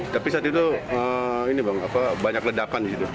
tapi saat itu banyak ledakan